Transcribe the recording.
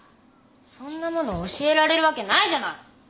そんなもの教えられるわけないじゃない！